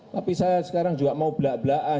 tapi saya sekarang juga mau belak belaan